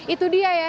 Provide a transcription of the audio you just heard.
itu dia ya